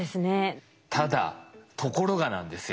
ただところがなんですよ。